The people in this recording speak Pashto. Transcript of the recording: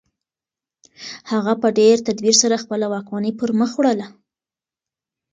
هغه په ډېر تدبیر سره خپله واکمني پرمخ وړله.